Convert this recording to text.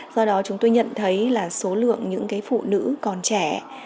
do đó chúng tôi nhận thấy là số lượng những phụ nữ còn trẻ